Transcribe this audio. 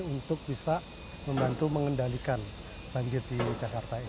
untuk bisa membantu mengendalikan banjir di jakarta ini